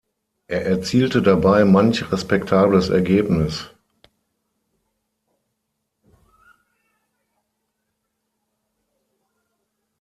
Er erzielte dabei manch respektables Ergebnis.